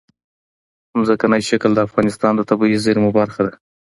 ځمکنی شکل د افغانستان د طبیعي زیرمو برخه ده.